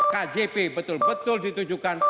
kjp betul betul ditujukan